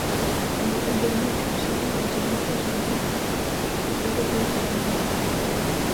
Elle est également cultivée dans de nombreux jardins européens et américains.